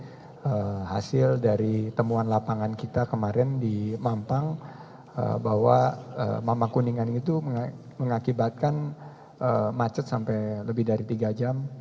jadi hasil dari temuan lapangan kita kemarin di mampang bahwa mama kuningan itu mengakibatkan macet sampai lebih dari tiga jam